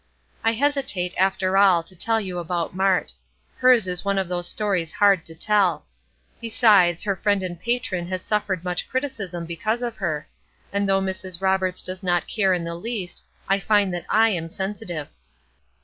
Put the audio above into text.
I hesitate, after all, to tell you about Mart. Hers is one of those stories hard to tell. Besides, her friend and patron has suffered much criticism because of her, and though Mrs. Roberts does not care in the least, I find that I am sensitive.